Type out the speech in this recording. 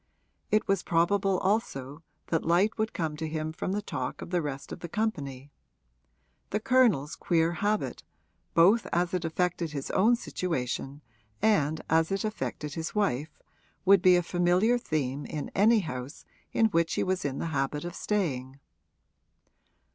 It was probable also that light would come to him from the talk of the rest of the company: the Colonel's queer habit, both as it affected his own situation and as it affected his wife, would be a familiar theme in any house in which he was in the habit of staying.